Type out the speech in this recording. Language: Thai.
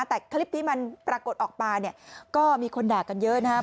แต่คลิปที่มันปรากฏออกมาเนี่ยก็มีคนด่ากันเยอะนะครับ